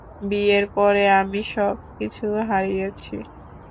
বিয়ের পরে আমি সব কিছু হারিয়েছি।